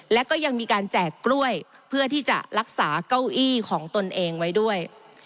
และก็ยังมีการแจกกล้วยเพื่อที่จะรักษาเก้าอี้ของตนเองไว้ด้วย